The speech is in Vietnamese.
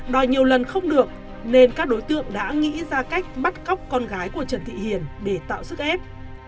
đòi nhiều lần không được nên các đối tượng đã nghĩ ra cách bắt cóc con gái của trần thị hiền để tạo sức ép